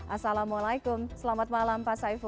assalamualaikum selamat malam pak saiful